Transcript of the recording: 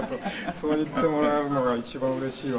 そう言ってもらえるのが一番うれしいわ。